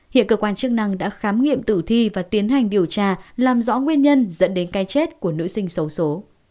hiện cơ quan chức năng đã khám nghiệm tử thi và tiến hành điều tra làm rõ nguyên nhân dẫn đến cái chết của nữ sinh xấu xố